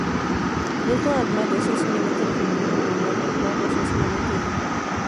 El otro Ahmad es sencillamente referido como 'Imam Ahmad' o sencillamente el 'Imam'.